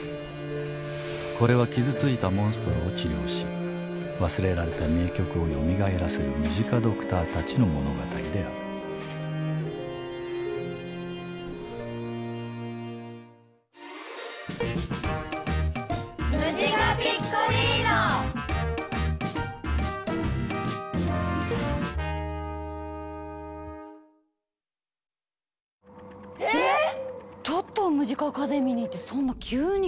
これは傷ついたモンストロを治療し忘れられた名曲をよみがえらせるムジカドクターたちの物語であるえぇっ⁉トットをムジカ・アカデミーにってそんな急に。